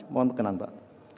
mohon berkenan pak